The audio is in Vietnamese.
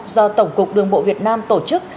do tổng cục đường bộ việt nam tổ chức